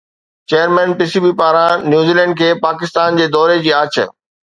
chairman P S B پاران New Zealand کي پاڪستان جي دوري جي آڇ